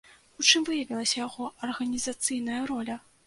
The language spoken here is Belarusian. У чым выявілася яго арганізацыйная роля?